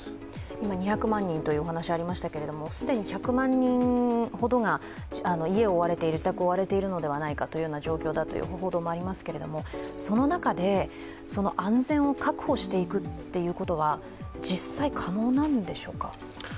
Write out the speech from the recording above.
今２００万人というお話がありましたけれども、既に１００万人ほどが自宅を追われているのではないかという状況だという報道がありますがその中で安全を確保していくということは実際可能なんでしょうか。